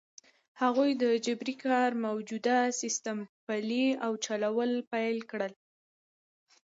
هغوی د جبري کار موجوده سیستم پلی او چلول پیل کړ.